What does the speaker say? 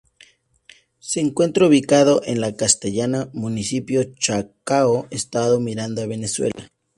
Se encuentra ubicado en La Castellana, municipio Chacao, Estado Miranda, Venezuela.